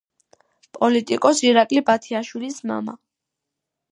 პოლიტიკოს ირაკლი ბათიაშვილის მამა.